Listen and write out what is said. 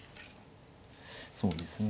そうですね